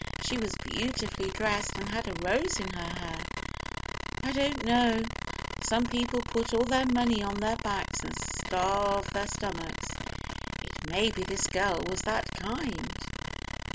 "She was beautifully dressed, and had a rose in her hair." "I don't know. Some people put all their money on their backs, and starve their stomachs. It may be this girl was that kind."